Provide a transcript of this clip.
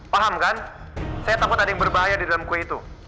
paham kan saya takut ada yang berbahaya di dalam kue itu